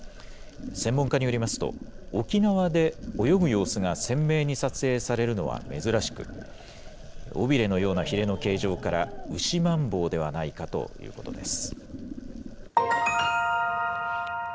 専門家によりますと、沖縄で泳ぐ様子が鮮明に撮影されるのは珍しく、尾びれのようなひれの形状から、ウシマンボウではないかということです。